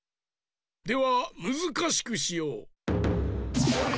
ではむずかしくしよう。